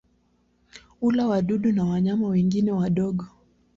Hula wadudu na wanyama wengine wadogo.